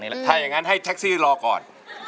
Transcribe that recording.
ถ้าอย่างนั้นให้แท็กซี่รอก่อน